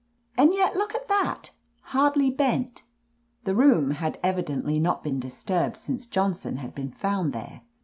And yet, look at that, hardly bent !" The room had evidently not been disturbed since Johnson had been found there.